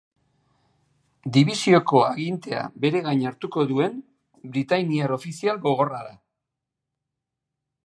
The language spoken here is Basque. Dibisioko agintea bere gain hartuko duen britainiar ofizial gogorra da.